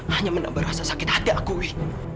hanya menambah rasa sakit hati aku wi